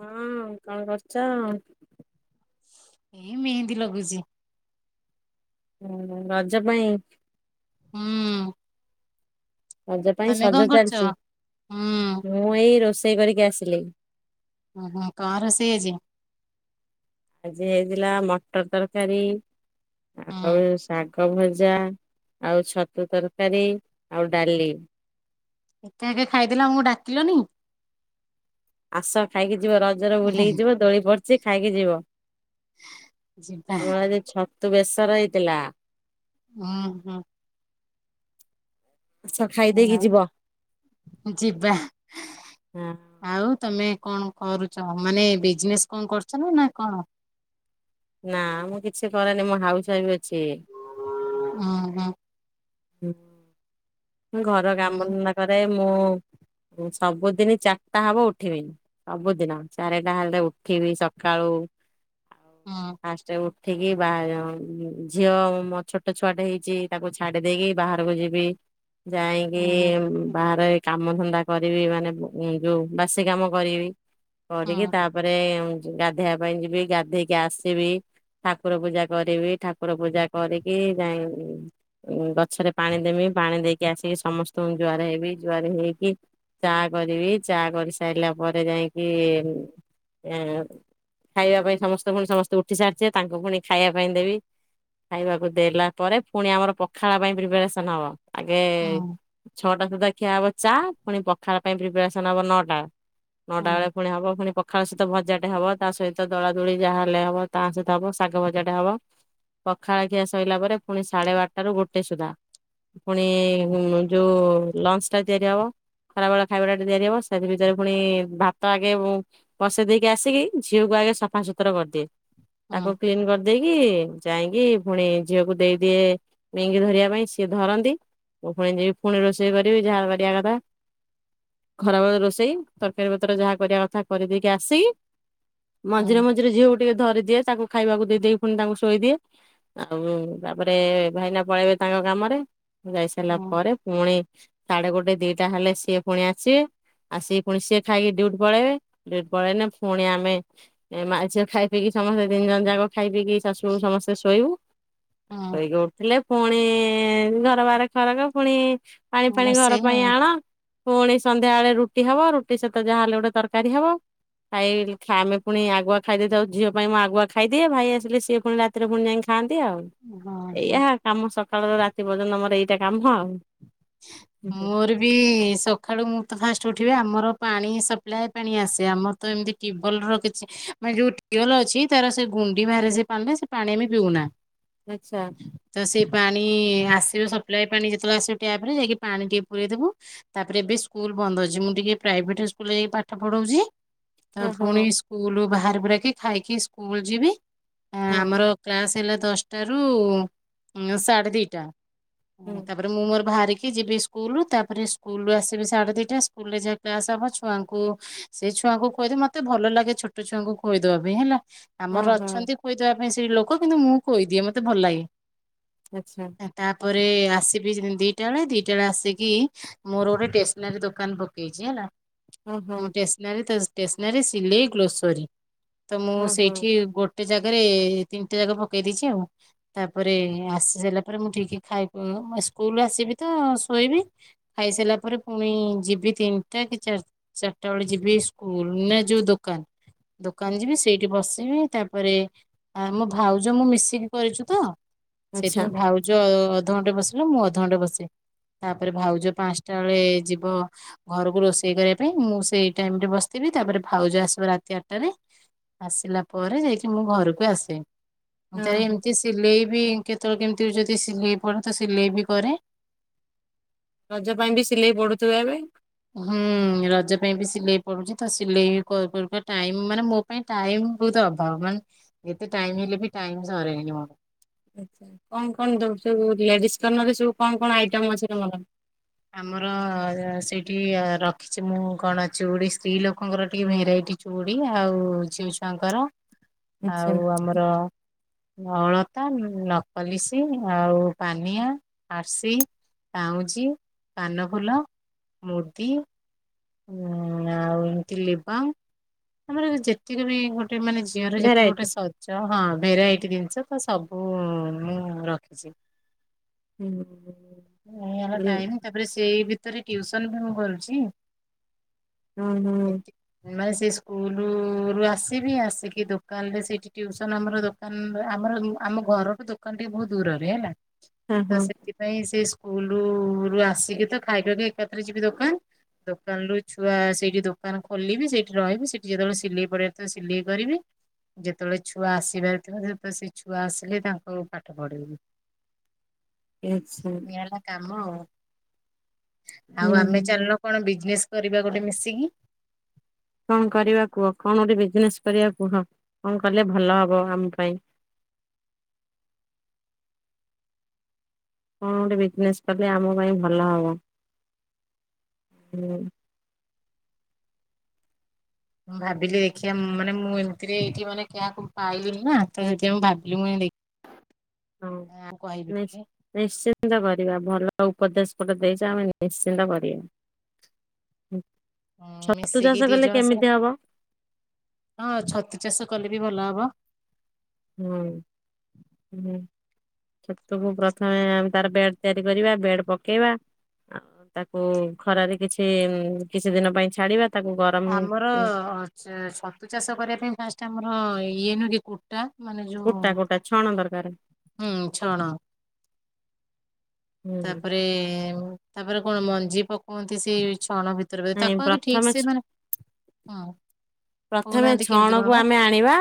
ହଁ କଣ କରୁଛ? ଏଇ ମେହେନ୍ଦୀ ଲଗୁଚି। ହୁଁ ରଜ ପାଇଁ। ହୁଁ। ରଜ ପାଇଁ ତମେ କଣ ସଜ କରୁଛ? ଚାଲିଚି ହୁଁ ମୁଁ ଏଇ ରୋଷେଇ କରିକି ଆସିଲି। ଓହୋ କାହାର ରୋସେଇ ଆଜି? ଆଜି ହେଇଥିଲା ମଟର ତରକାରୀ ହୁଁ ଆଉ ସା କ ଭଜା ଆଉ ଛତୁ ତରକାରୀ ଆଉ ଡାଲି। ଏକା ଏକା ଖାଇଦେଲ ଆମକୁ ଡାକିଲନି। ଆସ ଖାଇକି ଯିବ ରଜରେ ବୁଲିକି ଯିବ ଦୋଳି ପଡିଛି ଖାଇକି ଯିବ। ଯିବା ହଁ ଆଜି ଛତୁ ବେସର ହେଇଥିଲା। ଉଁ ହୁଁ। ଆସ ଖାଇଦେଇକି ଯିବ ଆଉ ଯିବା। ହଁ ଆଉ ତମେ କଣ କରୁଛ ମାନେ ବିଜନେସ କଣ କରୁଛ ନା ନା କଣ? ନା ମୁଁ କିଛି କରେନି ମୁଁ ହାଉସ ୱାଇଫ୍ ଅଛି। ଉଁ ହୁଁ। ହୁଁ। ଘର ହୁଁ କାମଧନ୍ଦା କରେ ମୁଁ ସବୁଦିନ ଚାରିଟା ହବ ଉଠିବିନି। ସବୁଦିନ ଚାରିଟା ହେଲେ ଉଠିବି ସକାଳୁ ଆଉ ହୁଁ ଫାଷ୍ଟ ଉ ଉଠିକି ବା ଝିଅ ମୋ ଛୋଟ ଛୁଆଟେ ହେଇଛି ତାକୁ ଛାଡି ଦେଇକି ବାହାରକୁ ଯିବି। ଯାଇକି ହୁଁ ବାହାରେ କାମ ଧନ୍ଦା କରିବି ମାନେ ଯୋଉ ବାସି କାମ କରିବି। କରିକି ହୁଁ ତାପରେ ଗାଧେଇବା ପାଇଁ ଯିବି ଗାଧେଇକି ଆସିବି। ଠାକୁର ପୂଜା କରିବି ଠାକୁର ପୂଜା କରିକି ଯାଇ ଗଛରେ ପାଣି ଦେମି ପାଣି ଦେଇକି ଆସିକି ସମସ୍ତଙ୍କୁ ଜୁଆର ହେବି ଜୁଆର ହେଇକି। ଚା କରିବି ଚା କରିସାରିଲା ପରେ ଯାଇକି ଖାଇବା ପାଇଁ ସମସ୍ତେ ପୁଣି ସମସ୍ତେ ଉଠି ସାରିଛେ ତାଙ୍କୁ ପୁଣି ଖାଇବା ପାଇଁ ଦେବି। ଖାଇବାକୁ ଦେଲା ପରେ ପୁଣି ଆମର ପଖାଳ ପାଇଁ ପ୍ରିପାରେସନ ହବ। ଏବେ ହୁଁ ହୁଁ ଛଅଟା ସୁଦ୍ଧା ଖିଆ ହବ ଚା ପୁଣି ପଖାବା ପାଇଁ ପ୍ରିପାରେସନ ହବ ନଅଟା। ନଅଟା ହୁଁ ବେଳେ ପୁଣି ହବ ପୁଣି। ଖାଳ ସହିତ ଭଜାଟେ ହବ ତା ସହିତ ଦଳା ଦୋଳି ଯାହା ହେଲେ ହବ ତା ସହିତ ହବ ଶାଗ ଭଜାଟା ହବ। ପଖାଳଖିଆ ସରିଲା ପରେ ପୁଣି ସାଢେ ବାରଟା ରାରୁ ଗୋଟେ ସୁଦ୍ଧା। ପୁଣି ଯୋଉ ଲଞ୍ଚ ଟା ତିଆରି ହବ। ଖରାବେଳେ ଖାଇବା ଟାେ ତିଆରି ହବ ସେଥି ଭିତରେ ପୁଣି ଭାତ ଆଗେ ଉଁ ବସେଇ ଦେଇକି ଆସିକି ଝିଅକୁ ଆଗେ ସଫାସତୁରା କରିଦିଏ ତାକୁ ହୁଁ କ୍ଲିନ କରି ଦେଇକି ଯାଇକି ପୁଣି ଝିଅକୁ ଦେଇଦିଏ ମେଙ୍ଗି ଧରିବା ପାଇଁ ସିଏ ଧରନ୍ତି ମୁ ପୁଣି ଯିବି ପୁଣି ରୋଷେଇ କରିବି ଯାହା କରିବା କଥା। ଖରାବେଳ ରୋଷେଇ ତରକାରୀ ପତ୍ର ଯାହା କରିବା କଥା କରିଦେଇକି ଆସି ହୁଁ ମଝିରେ ମଝିରେ ଝିଅକୁ ଟିକେ ଧରିଦିଏ ତାଙ୍କୁ ଖାଇବାକୁ ଦେଇଦେଇ ପୁଣି ତାଙ୍କୁ ଶୋଇଦିଏ। ଆଉ ତାପରେ ଭାଇନା ପଳେଇବେ ତାଙ୍କ କାମରେ। ଯାଇ ସାରିଲା ହୁଁ ପରେ ପୁଣି ସାଢେ ଗୋଟେ ଦିଟା ହେଲେ ସିଏ ପୁଣି ଆସିବେ। ଆ ସି ପୁଣି ସିଏ ଖାଇକି ଡିଉଟ୍ ପଳେଇବେ ଡିଉଟି ପଳେଇଲେ ପୁଣି ଆମେ ଏ ମାଆ ଝିଅ ଖାଇ ପିକି ସମସ୍ତେ ତିିନଜଣ ଯାକ ଖାଇ ପିଇକି ଶାଶୁ ସମସ୍ତେ ଶୋଇବୁ ଆଉ ଶୋଇକି ଉଠିଲେ ପୁଣି ଘର ବାହ ଖରକ ପୁଣି ପାଣି ହୁଁ ଫାଣି ରୋଷେଇ ଘର ପାଇଁ ଆଉ ଆଣ ପୁଣି ସନ୍ଧ୍ୟା ବେଳେ ରୁଟି ହବ ରୁଟି ସହିତ ଯାହାହେଲେ ଗୋଟେ ତରକାରୀ ହବ। ଖାଇ ଆମେ ପୁଣି ଆଗୁଆ ଖାଇଦଥାଉ ଝିଅ ପାଇଁ ମୁଁ ଆଗୁଆ ଖାଇଦିଏ। ଭାଇ ଆସିଲେ ସିଏ ପୁଣି ରାତି ଭରେ ପୁଣି ଯାଇି ଖାଆନ୍ତି ଆଉ ହଁ ହଁ ଏଇଆ କାମ ସକାଳର ରାତି ପର୍ଯ୍ୟନ୍ତ ଆମର ଏଇଟା କାମ ଆଉ। ମୋର ବି ବି ସକାଳୁ ମୁଁ ତ ଫାଷ୍ଟ ଉଠିବି ଆମର ପାଣି ସପ୍ଲାଏ ପାଣି ଆସେ ଆମ ତ ଏମିତି କିିବଲ ରଖିଛି। ମାନେ ଯୋଉ ଟିବଲ ଅଛି ତାର ସେ ଗୁଣ୍ଡି ବାହାରେ ସେ ପାଣିରେ ସେ ପାଣି ଆମେ ପିଉନା। ଆଚ୍ଛା ତ ସେ ପାଣି ଆସିବ ସପ୍ଲାଏ ପାଣି ଯେ ଯେତେବେଳେ ଅସିବ ଟ୍ୟାପରେ ଯାଇକି ପାଣି ଟିକେ ପୁରେଇ ଦେବୁ। ତାପରେ ଏବେ ସ୍କୁଲ ବନ୍ଦ ଅଛି ମୁଁ ଟିକେ ପ୍ରାଇଭେଟ ସ୍କୁଲରେ ଯାଇକି ପାଠ ପଢଉଛି। ତ ଓହୋ ପୁଣି ସ୍କୁଲ ବାହାରି ବୁରାକି ଖାଇକି ସ୍କୁଲ ଯିବି ଆ ହଁ ଆମର କ୍ଲାସ ହେଲା ଦଶଟାରୁ ସାଢ଼େ ଦିଟା। ହୁଁ ତାପରେ ମୁଁ ମୋର ବାହାରିକି ଯିବି ସ୍କୁଲରୁ ତାପରେ ସ୍କୁଲରୁୁ ଆସିବି ସାଢ଼େ ଦିଇଟା ସ୍କୁଲରେ ଯାହା କ୍ଲାସ୍ ହବ ଛୁଆଙ୍କୁ ସେଇ ଛୁଆଙ୍କୁ ଖୋଇଦେ ମତେ ଭଲ ଲାଗେ ଛୋଟ ଛୁଆଙ୍କୁ ଖୋଇଦବା ପାଇଁ ହେଲା। ଆମର ଓହୋ ଅଛନ୍ତି ଖୋଇଦବା ପାଇଁ ସେଇ ଲୋକ କିନ୍ତୁ ମୁଁ ଖୋଇଦିଏ ମତେ ଭଲ ଲାଗେ। ଆଚ୍ଛା। ତାପରେ ଆସି ଦିଟା ବେଳେ ଦିଟା ବେଳେ ଆସିକି ମୋର ଗୋଟେ ଷ୍ଟେସନାରୀ ଦୋକାନ ପକେଇଛି ହେଲା। ଓହୋ ମୁଁ ଟେସ୍ସନାରୀ ତ ଟେସନାରୀ ସିଲେଇ ଗ୍ଲୋସରୀ ତ ମୁଁ ଓହୋ ସେଇଠି ଗୋ ଗୋଟେ ଜାଗାରେ ତିନିଟା ଜାକ ପକେଇ ଦେଇଛି ଆଉ। ତାପରେ ଆସି ସାରିଲା ପରେ ମୁଁ ଟିକେ ଖାଇ ସ୍କୁଲ ଆସିବି ତ ଶୋଇବି। ଖାଇସାରିଲା ପରେ ପୁଣି ଯିବି ତିନିଟା କି ଚା ଚାରିଟା ବେଳେ ଯିବି ସ୍କୁଲ ନା ଯୋଉ ଦୋକାନ। ଦୋକାନ ଯିବି ସେଇଠି ବସିବି ତାପରେ ଆ ମୋ ଭାଉଜ ମୁଁ ମିଶିକି କରିଛୁ ତ। ଆଚ୍ଛା ସେଇଥିପାଇଁ ଭାଉଛ ଅଧଘଣ୍ଟେ ବସିଲେ ମୁଁ ଅଧଘଣ୍ଟେ ବସେ। ତାପରେ ଭାଉଜ ପାଞ୍ଚଟା ବେଳେ ଯିବ ଘରକୁ ରୋଷେଇ କରିବା ପାଇଁ ମୁଁ ସେଇ ଟାଇମରେ ବସିଥିବି ତାପରେ ଭାଉଜ ଆସିବା ରାତି ଆଠଟାରେ। ଆସିଲା ପରେ ଯାଇକି ମୁଁ ଘରକୁ ଆସେ। ତାର ଓହୋ ଏମିତି ସିଲେଇ ବି କେତେବେଳେ କେମିତି ଯଦି ସିଲେଇ ପଡେ ତ ସିଲେଇ ବି କରେ। ରଜ ପାଇଁ ବି ସିଲେଇ ବଢୁଥିବ ଏବେ? ହୁଁ। ରଜ ପାଇଁ ବି ସିଲେଇ ପଡୁଛି ତ ସିଲେଇ କରୁ କରୁକା ଟାଇମ ମାନେ ମୋ ପାଇଁ ଟାଇମ ବହୁତ ଅଭାବ। ମାନେ ଏତେ ଟାଇମ ହେଲେ ବି ଟାଇମ ସରେନି ମୋର। କଣ କଣ ଦଉ ସବୁ ଲେଡିସ୍ କର୍ଣର ରେ ସବୁ କଣ କଣ ଆଇଟମ ଅଛି ତମର? ଆମର ସେଇଠି ରଖିଛି ମୁଁ କଣ ଚୁଡି ସ୍ତ୍ରୀ ଲୋକଙ୍କର ଟିକେ ଭେରାଇଟି ଚୁଡି ଆଉ ଝିଉଛୁଆଙ୍କର ଆଛା ଆଉ ଆମର ଅଳତା, ନକପାଲିସି ଆଉ ପାନିଆ, ଆରସି ପାଉଁଜି, କାନଫୁଲ, ମୁଦି ହୁଁ ଆଉ ଏମିତି ଲିବାମ୍ ଆମର ଯେତିକି ବି ଗୋଟେ ମାନେ ଝିଅର ଯେତିକି ଗୋଟେ ଭେରାଇଟି ସଜ ହବା ହଁ ଭେରାଇଟି ଜିନିଷ ତ ସବୁ ମୁଁ ରଖିଛି। ହୁଁ ହୁଁ ଟାଇମ୍ ତାପରେ ସେଇ ଭିତରେ ଟିୟୁସନ ବି ମୁଁ କରୁଛି। ହୁଁ ହୁଁ। ଏତି ମାନେ ସେଇ ସ୍କୁଲ ରୁ ଆସିବି ଆସିକି ଦୋକାନ ରେ ସେଇଠି ଟୁସନ ଆମର କ ଆମର ଆମ ଘରଠୁ ଦୋକାନ ଟିକେ ବହୁତ ଦୂରରେ ହେଲା। ହଁ ତ ହଁ ସେଥିପାଇଁ ସେଇ ସ୍କୁଲ ରୁ ଆସିକି ତ ଖାଇଦେବି ଏକାଥରେ ଯିବି ଦୋକାନ। ଦୋକାନ ରୁ ଛୁଆ ସେଇଠି ଦୋକାନ ଖୋଲିବି ସେଇଠି ରହିବି ସେଠି ଯେତେବେଳେ ସିଲେଇ କରିବାରଥିବ ସିଲେଇ କରିବି। ଯେତେବେଳେ ଛୁଆ ଆସିିବାରଥିବ ସେତେବେଳେ ସେ ଛୁଆ ଆସିଲେ ତାଙ୍କୁ ପାଠ ପଢେଇବି। [inaudible] ଆଚ୍ଛା। ଏଇ କାମ ଆଉ ଆଉ ହୁଁ ଆମେ ଚାଲିଲ କଣ ବି ବିଜନେସ କରିବା ଗୋଟେ ମିଶିକି। କଣ କରିବା କୁହ କଣ ଗୋଟେ ବିଜନେସ କରିବା କୁହ କଣ କଲେ ଭଲ ହବ ଆମ ପାଇଁ। କଣ ଗୋଟେ ବିଜନେସ୍ କଲେ ଆମ ପାଇଁ ଭଲ ହବ। ମୁଁ ଭାବିଲି ଦେଖିଆ ମାନେ ମୁଁ ଏମତିରେ ଏଇଠି ମାନେ କାହାକୁ ପାଇଲିିନି ନା ତ ସେଥିପାଇଁ ମୁଁ ଭାବିଲି ମୁଁ ଦେ ହଁ ଆଁ କହିବୁ ନିଶ୍ଚ କିି। ନିଶ୍ଚିନ୍ତ କରିବା ଭଲ ଉପଦେଶ ଗୋଟେ ଦେଇଛ ଆମେ ନିଶ୍ଚିନ୍ତ କରିବା। ଉଁ ଛତୁ ମିଶିକି ଚାଷ ଦି କଲେ ଜଣ ସାରା କେମିତି ହବ? ହଁ ଛତୁ ଚାଷ କଲେ ବି ଭଲ ହବ। ହୁଁ ହୁଁ ଛତୁକୁ କି ପ୍ରଥମେ ଆ ତାର ବେଡ ତିଆରି କରିବା ବେଡ ପକେଇବା। ଆଉ ତାକୁ ଖରାରେ କିଛି କିଛି ଦିନ ପାଇଁ ଛାଡିବା ତାକୁ ଗର ଆମର ଛତୁ ଚାଷ କରିବା ପାଇଁ ଫାଷ୍ଟ ଆମର ଇଏ ନୁହଁ କି କୁ ଟା ମାନେ ଯୋଉ କୋଟା କୋଟା ଛଣ ଦରକାର ହୁଁ ଛଣ। ହୁଁ ତାପରେ ତାପରେ କଣ ମଞ୍ଜି ପକୁଅନ୍ତି ସେଇ ଛଣ ଭିତ ରେ ନାଇଁ ତାକୁ ଆଗେ ଠିକ୍ ପ୍ରଥମେ ଛ ସେ ମାନେ ହଁ। ପ୍ରଥମେ କହୁନାହାନ୍ତି କେମିତି କଣ ଛଣକୁ ହବ ଆମେ ଆଣିବା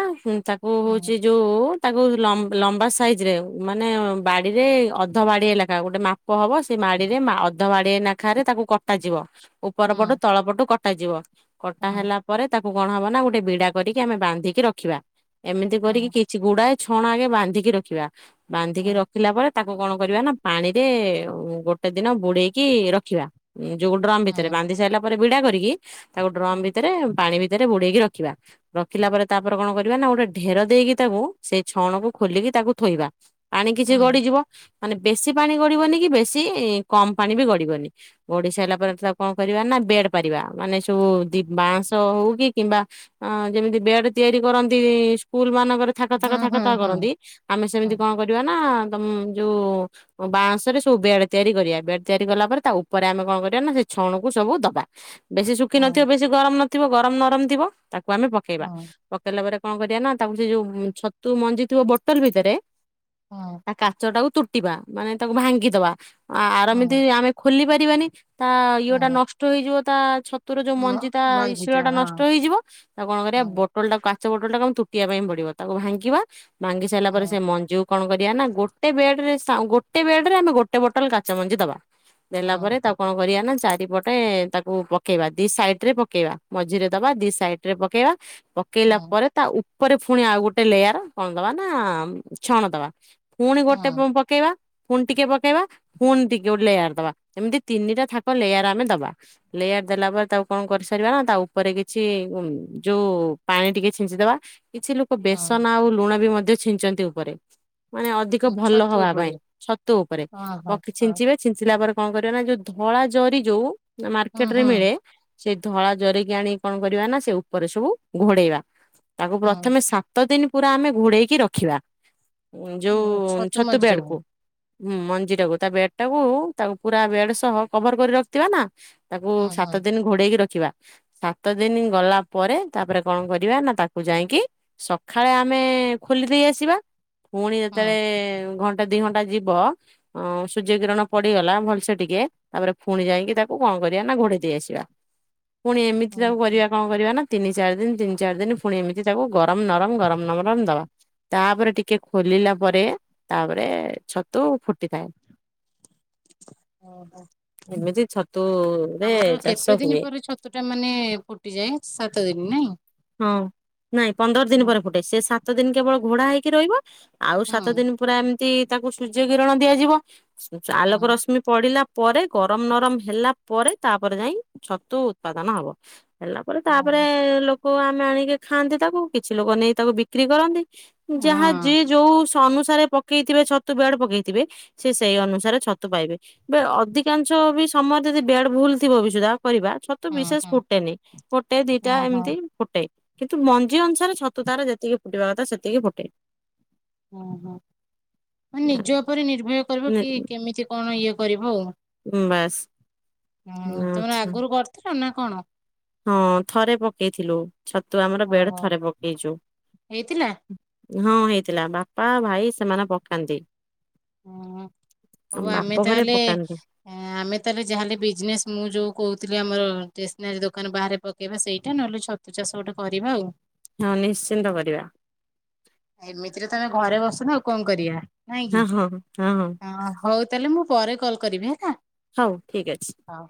ତାକୁ ହଁ ହଉଛି ଯୋଉ ତାକୁ ଲମ୍ବା ସାଇଜ ରେ ମାନେ ବାଡିରେ ଅଧ ବାଡିଏ ଲେଖା ଗୋଟେ ମାପ ପ ହବ ସେ ମାଡିରେ ଅଧ ମାଡି ନେଖାରେ ତାକୁ କଟାଯିବ। ଉପର ପଟୁ ହଁ ତଳ ପଟୁ କଟାଯିବ କଟା ହଁ ହେଲା ପରେ ତାକୁ କଣ ହବ ନା ଗୋଟେ ବିଡା କରିକି ଆମେ ବାନ୍ଧିକି ରଖିବା ଏମିତି କରିକି ହଁ କିଛି ଛି ଗୁଡାଏ ଛଣ ଆଗେ ବାନ୍ଧିକି ରଖିବା ବାନ୍ଧିକି ହଁ ରଖିଲା ପରେ ତାକୁ କଣ କରିବା ନା ପାଣିରେ ଗୋଟେ ଦିନ ବୁଡେଇକି ରଖିବା। ଯୋଉ ଡ୍ରମ୍ ଭିତରେ ହଁ ବାନ୍ଧି ସାରିଲା ପରେ ବିଡା କରିକି ତାକୁ ଡ୍ରମ ଭିତରେ ପାଣି ଭିତ ରେ ବୁଡେଇକି ରଖିବା। ରଖିଲା ପରେ ତାପରେ କଣ କରିବା ନା ଗୋଟେ ଢେର ଦେଇକି ତାକୁ ସେଇ ଛଣକୁ ଖୋଲିକି ତାକୁ ଥୋଇବା। ପାଣି କିଛି ହଁ ଗଡିଯିବ ମାନେ ବେଶୀ ପାଣି ଗଡିବନି କି ବେଶୀ କମ ପାଣି ବି ଗଡିବନି। ଗଡିସାରିଲା ପରେ ତାକୁ କଣ କରିବା ନା ବେଡ ପାରିବା ମାନେ ସବୁ ଦି ବାଉଁଶ ହଉ। କି କିମ୍ବା ଯେମିତି ବେଡ ତିଆରି କରନ୍ତି ସ୍କୁଲ ମାନଙ୍କରେ ଥାକ ଥାକ ହଁ ଥାକ ଥାକ ହଁ ହଁ କରନ୍ତି ଆମେ ହଁ ସେମିତି ହଁ କଣ କରିବା ନା ତମ ଯୋଉ ବାଉଁଶରେ ସବୁ ବେଡ ତିଆରି କରିବା ବେଡ ତିଆରି କଲା ପରେ ତା ଉପରେ ଆମେ କଣ କରିବା ନା ସେ ଛଣକୁ ସବୁ ଦବା। ବେଶୀ ଶୁଖି ନଥିବ ବେଶୀ ଗରମ ନଥିବ ଗରମ ନରମ ଥିବ ତାକୁ ଆମେ ପକେଇବା। ହଁ ପକେଇଲା ପରେ କଣ କରିବା ନା ତାକୁ ସେ ଯୋଉ ଛତୁ ମଞ୍ଜି ଥିବ ବୋଟଲ୍ ଭିତରେ ହଁ। ତା କାଚ ଟାକୁ ତୁଟିବା ମାନେ ତାକୁ ଭାଙ୍ଗିଦବା ଆରମିତି ହଁ ଆମେ ଖୋଲି ପାରିବାନି। ତା ଇଏ ଟା ହଁ ନଷ୍ଟ ହେଇଯିବ ତା ଛତୁର ଯୋଉ ହଁ ମଞ୍ଜି ତା ଶିଳ ମଞ୍ଜିଟା ଟା ନଷ୍ଟ ହଁ ହେଇଯିବ ତାକୁ କଣ କରିବା ହଁ ବୋଟଲ ଟା କାଚ ବୋଟଲ ଟା କମ ତୁଟିବା ପାଇଁ ପଡିବ ତାକୁ ଭାଙ୍ଗିବା। ଭାଙ୍ଗି ସାରିଲା ପରେ ହଁ ସେ ମଞ୍ଜୁକୁ କଣ କରିବା ନା ଗୋଟେ ବେଡରେ ଗୋଟେ ବେଡ ରେ ଆମେ ଗୋଟେ ବୋଟଲ କା ମଞ୍ଜି ଦବା। ଦେଲା ପରେ ତାକୁ କଣ କରିବା ନା ଚାରିପଟେ ତାକୁ ପକେଇବା ଦି ସାଇଟ୍ ରେ ପକେଇବା ମଝିରେ ଦବା ଦି ସାଇଡ ରେ ପକେଇବା ପକେଇଲା ହଁ ପରେ ତା ଉପରେ ପୁଣି ଆଉ ଗୋଟେ ଲେୟାର କଣ ଦବା ନା ଛଣ ଦବା ପୁଣି ଗୋଟେ ହଁ ପକେଇବା ପୁଣି ଟିକେ ପକେଇବା। ପୁଣି ଟିକେ ଗୋଟେ ଲେୟାର ଦବା ଏମିତି ତିନିଟା ଥାକ ଲେୟାର ଆମେ ଦବା। ଲେୟାର ଦେଲା ପରେ ତାକୁ କଣ କରିସାରିବା ନା ତା ପରେ କିଛି ଯୋଉ ପାଣି ଟିକେ ଛିଞ୍ଚିଦବା କିଛି ଲୋକ ହଁ ବେସନ ଆଉ ଲୁଣ ବି ମଧ୍ୟ ଛିଚନ୍ତି ଉପରେ। ମାନେ ଅଧିକ ହଁ ଭଲ ଛତୁ ହବା ପାଇଁ ଉପରେ ଛତୁ ଉପରେ ହଁ ହଁ ପକ ହଁ ଛିଞ୍ଚିବେ। ଛିଞ୍ଚିଲା ପରେ କଣ କରିବା ନା ଯୋଉ ଧଳା ଜରି ଯୋଉ ହୁଁ ମାର୍କେଟ ରେ ହୁଁ ମିଳେ ସେଇ ଧଳା ଜରି ଆଣି କଣ କରିବା ନା ସେ ଉପରେ ସବୁ ଘୋଡେଇବା ତାକୁ ହଁ ପ୍ରଥମେ ସା ସାତ ଦିନ ପୁରା ଆମେ ଘୋଡେଇକି ରଖିବା ଓ, ଯୋଉ ଛତୁ ମଞ୍ଜିଟାକୁ ବେଡକୁ ହୁଁ ମଞ୍ଜି ଟାକୁ ତା ବେଡ ଟାକୁ ତାକୁ ପୁରା ବେଡ ସହ କଭର କରି ରଖିଥିବା ନା। ତାକୁ ହଁ ହଁ ସାତ ଦିନ ଘୋଡେଇକି ରଖିବା। ସାତ ଦିନ ଗଲା ପରେ ତାପରେ କଣ କରିବା ନା ତାକୁ ଯାଇକି ସକାଳେ ଆମେ ଖୋଲିଦେଇ ଆସିବା ପୁଣି ହଁ ଯେତେବେଳେ ଘଣ୍ଟା ସେ ଦି ଘଣ୍ଟା ଯିବ। ଅଁ ସୂର୍ଯ୍ୟ କିିରଣ ପଡିଗଲା ଭଲସେ ଟିକେ ତାପରେ ପୁଣି ଯାଇକି ତାକୁ କଣ କରିବା ନା ଘୋଡେଇ ଦେଇ ଆସିବା। ପୁଣି ଏମିତି ହଁ ତାକୁ ହଁ, କରିବା କଣ କରିବା ନା ତିନି ଚାରି ଦିନ ତିନି ଚାରି ଦିନ ପୁଣି ଏମିତି ତାକୁ ଗରମ ନରମ ଗରମ ନରମ ଦବା। ତାପରେ ଟିକେ ଖୋଲିଲା ପରେ ତାପରେ ଛତୁ ଫୁଟି ଥାଏ। ଓ ହୋ। ଏମିତି ଛତୁ ଆମର କେତେ ଦିନ ପରେ ଛତୁ ଟା ମାନେ ଫୁଟିଯାଏ ସାତ ଦିନ ନାଇଁ। ହଁ ନାଇଁ ପନ୍ଦର ଦିନ ହଁ ପରେ ଫୁଟେ ସେ ସାତ ଦିନ କେବଳ ଘୋଡା ହେଇକି ରହିବ। ଆଉ ହଁ ସାତ ଦିନ ପୁରା ଏମିତି ତାକୁ ସୂର୍ଯ୍ୟ କିରଣ ଦିଆଯିବ ଆଲୋକ ହଁ ରଶ୍ମି ପଡିଲା ପରେ ଗରମ ନରମ ହେଲା ପରେ ତାପରେ ଯାଇ ଛତୁ ଉତ୍ପାଦନ ହବ। ହେଲା ପରେ ହଁ ତାପରେ ହଁ ଲୋକ ଆମେ ଆଣିକି ଖାଆନ୍ତି ତାକୁ କିଛି ଲୋକ ନେଇ ତାକୁ ବିକ୍ରି କରନ୍ତି। ଯାହା ଯିଏ ଯୋଉ ସନୁସାରେ ପକେଇଥିବେ ଛତୁ ବେଡ ପକେଇଥିବେ। ସେ ସେଇ ଅନୁସାରେ ଛତୁ ପାଇବେ। ବ ଅଧିକାଂଶ ବି ସମୟରେ ଯଦି ବେଡ୍ ଭୁଲ ଥିବ ବି ସୁଦ୍ଧା କରିବା ଛ ତୁ ଓହୋ ହଁ ବିଶେଷ ହଁ ଫୁଟେନି ଗୋଟେ ଦିଟା ହଁ ଏମିତି ଫୁଟେ କିନ୍ତୁ ମଞ୍ଜି ଅନୁସାରେ ଛତୁ ତାର ଯେତିକି ଫୁଟିବା କଥା ସେତିକି ଫୁଟେ। ଓ ହୋ ମାନେ ନିଜ ଉପରେ ନିର୍ଭୟ କରିବ ନେ କିଏ କେମିତି କଣ ଇଏ କରିବ ଆଉ। ବାସ୍ ହୁଁ ତମର ଆଚ୍ଛା। ଆଗରୁ କରିଥିଲ ନା କଣ? ହଁ ଥରେ ପକେଇଥିଲୁ ଛତୁ ଆମର ବେଡ ଓହୋ ଥରେ ପକେଇଛୁ। ହେଇଥିଲା ହଁ ହେଇଥିଲା ବାପା ଭାଇ ସେମାନେ ପକାନ୍ତି। ହୁଁ, ଆମ ହଉ ବାପ ଆମେ ଘରେ ତାହେଲେ ପକାନ୍ତି ଆମେ ତାହେଲେ ଯାହାଲେ ବିଜନେସ ମୁଁ ଯୋଉ କହୁଥିଲି ଆମର ଟେଷ୍ଟସ୍ନାରୀ ଦୋକାନ ବାହାରେ ପକେଇବା ସେଇଟା ନହେଲେ ଛ ତୁ ଚାଷ ଗୋଟେ କରିବା ଆଉ। ହଁ ନିଶ୍ଚିନ୍ତ କରିବା। ଏମିତିରେ ତମେ ଘରେ ବସୁନେ ଆଉ କଣ କରିବା ନାଇଁ କିି, ହଁ ହଁ ହଁ ହଁ ହ। ହଉ ତାହେଲେ ମୁଁ ପରେ କଲ୍ କରିବି ହେଲା। ହଉ ଠିକ୍ ଅଛି। ହଁ